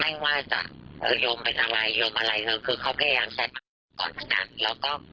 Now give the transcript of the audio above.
แม่งว่าจะเอ่อโยมเป็นอะไรโยมอะไรเนอะคือเขาพยายามแท็กมากก่อนทั้งนั้น